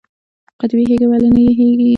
قطبي هیږه ولې نه یخیږي؟